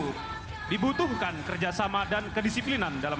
kami selanjutnya akan bermanuver snake loop